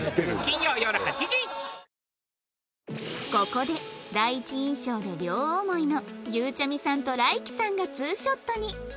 ここで第一印象で両思いのゆうちゃみさんと ＲＡｉＫＩ さんがツーショットに